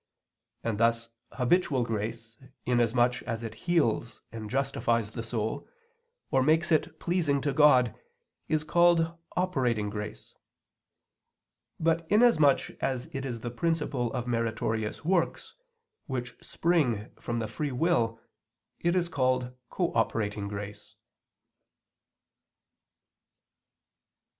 And thus habitual grace, inasmuch as it heals and justifies the soul, or makes it pleasing to God, is called operating grace; but inasmuch as it is the principle of meritorious works, which spring from the free will, it is called cooperating grace.